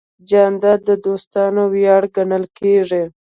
جانداد د دوستانو ویاړ ګڼل کېږي.